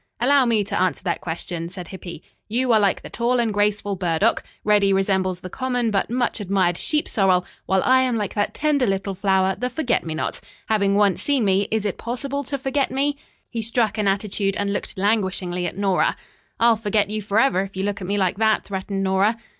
"Allow me to answer that question," said Hippy. "You are like the tall and graceful burdock. Reddy resembles the common, but much admired sheep sorrel, while I am like that tender little flower, the forget me not. Having once seen me, is it possible to forget me!" He struck an attitude and looked languishingly at Nora. "I'll forget you forever if you look at me like that," threatened Nora.